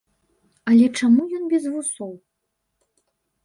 Але чаму ён без вусоў?